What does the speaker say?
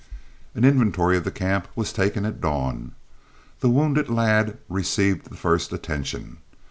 An inventory of the camp was taken at dawn. The wounded lad received the first attention.